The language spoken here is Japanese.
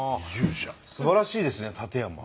すばらしいですね館山。